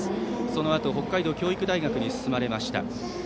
そのあと北海道教育大学に進まれました。